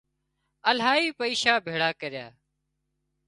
الاهي پئيشا ڀيۯا ڪريا